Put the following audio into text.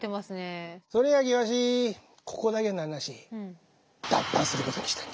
それやきわしここだけの話脱藩することにしたんじゃ。